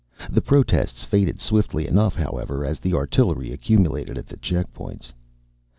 The protests faded swiftly enough, however, as the artillery accumulated at the checkpoints.